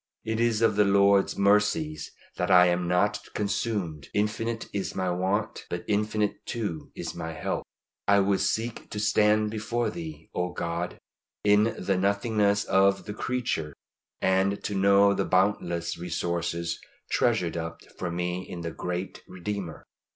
It is of the Lord's mercies that I am not consumed! Infinite is my want, but infinite too is my help. I would seek to stand before Thee, O God, in the nothingness of the creature, and to know the boundless resources treasured up for me in the great Redeemer.